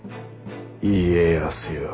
家康よ。